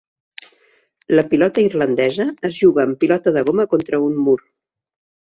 La Pilota Irlandesa es juga amb pilota de goma contra un mur.